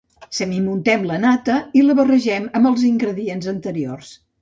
Semi-muntem la nata i la barregem amb els ingredients anteriors.